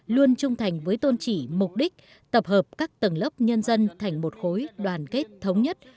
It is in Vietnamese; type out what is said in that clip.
luôn trung thành với tôn trị mục đích tập hợp các tầng lớp nhân dân thành một khối đoàn kết thống nhất